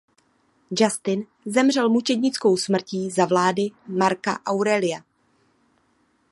Justin zemřel mučednickou smrtí za vlády Marca Aurelia.